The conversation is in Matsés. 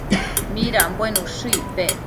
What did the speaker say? midanbuen ushë icpec?